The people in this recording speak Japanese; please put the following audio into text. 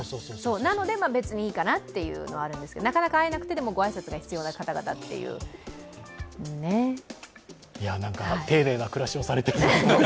なので別にいいかなというのがあるんですが、なかなか会えなくて、でもご挨拶が必要な方々には。いや、なんか丁寧な暮らしをされてるなと。